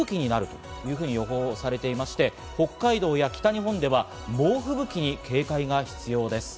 明日にかけて吹雪になるというふうに予報されていまして、北海道や北日本では猛吹雪に警戒が必要です。